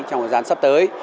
trong thời gian sắp tới